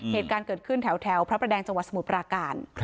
เหตุการณ์เกิดขึ้นแถวพระประแดงจังหวัดสมุทรปราการ